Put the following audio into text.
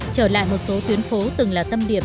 trở lại một số tuyến phố từng là tâm điểm